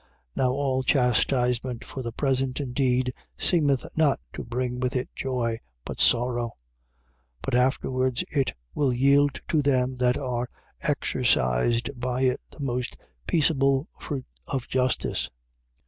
12:11. Now all chastisement for the present indeed seemeth not to bring with it joy, but sorrow: but afterwards it will yield to them that are exercised by it the most peaceable fruit of justice.